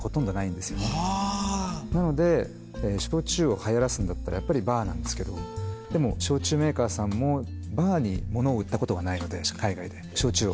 なので焼酎を流行らすんだったらやっぱりバーなんですけどでも焼酎メーカーさんもバーにものを売ったことがないので海外で焼酎を。